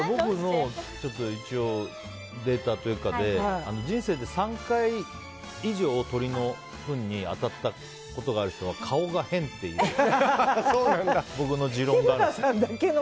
一応、僕のデータというか人生で３回以上、鳥のフンに当たったことがある人は顔が変っていう僕の持論がある。